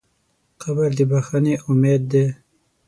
قبر د بښنې امید دی.